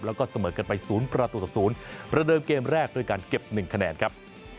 แล้วก็เสมอกันไป๐๐ประเดิมเกมแรกด้วยการเก็บหนึ่งคะแนนครับ